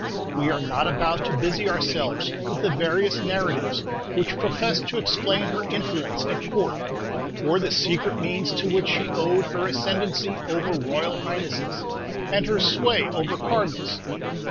We are not about to busy ourselves with the various narratives which professed to explain her influence at Court, or the secret means to which she owed her ascendency over royal highnesses, and her sway over cardinals.